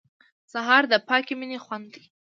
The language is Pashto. سهار د پاکې مینې خوند دی.